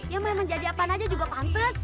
ya emang jadi apaan aja juga pantes